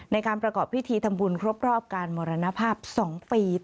ในการประกอบพิธีทำบุญครบรอบการมรณภาพ๒ปี